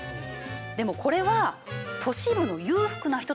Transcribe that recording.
でもこれは都市部の裕福な人たちの話。